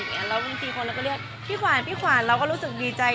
แล้วบางทีคนเราก็เรียกพี่ขวานพี่ขวานเราก็รู้สึกดีใจ